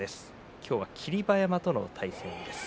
今日は霧馬山との対戦です。